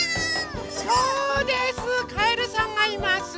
そうですかえるさんがいます。